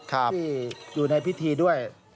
ที่อยู่ในพิธีด้วย